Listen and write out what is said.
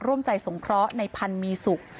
ร่วมใจสงเคราะห์ในพันธุ์มีสุข